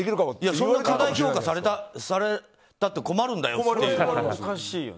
そんな過大評価されたって困るんだよっていうね。